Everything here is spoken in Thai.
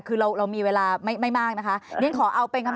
คือเรามีเวลาไม่มากนะคะเรียนขอเอาเป็นคำ